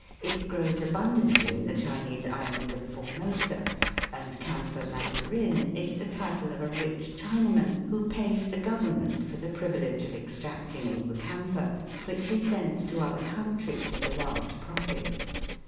It grows abundantly in the Chinese island of Formosa, and 'camphor mandarin' is the title of a rich Chinaman who pays the government for the privilege of extracting all the camphor, which he sends to other countries at a large profit.